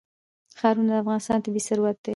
ښارونه د افغانستان طبعي ثروت دی.